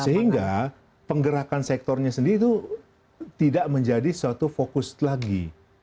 sehingga penggerakan sektornya sendiri itu tidak menjadi suatu fokus lagi